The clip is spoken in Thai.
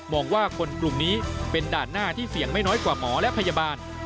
ว่าคนกลุ่มนี้เป็นด่านหน้าที่เสี่ยงไม่น้อยกว่าหมอและพยาบาล